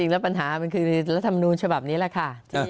และปัญหามันคือรัฐธรรมดูลฉบับนี้แหละ